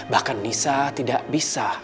bahkan nisa tidak bisa